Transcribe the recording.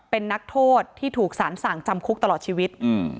เป็นนักโทษที่ถูกสารสั่งจำคุกตลอดชีวิต